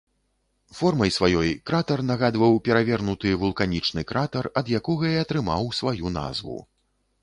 Формай сваёй кратар нагадваў перавернуты вулканічны кратар, ад якога і атрымаў сваю назву.